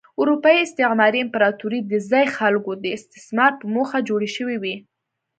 اروپايي استعماري امپراتورۍ د ځايي خلکو د استثمار په موخه جوړې شوې وې.